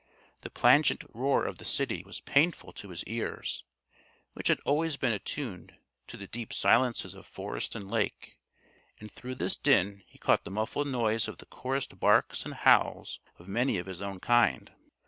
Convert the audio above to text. The plangent roar of the city was painful to his ears, which had always been attuned to the deep silences of forest and lake. And through this din he caught the muffled noise of the chorused barks and howls of many of his own kind.